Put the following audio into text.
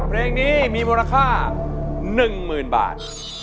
เพลงนี้มีบรรคา๑หมื่นบาท